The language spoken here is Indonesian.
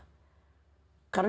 sedang marah karena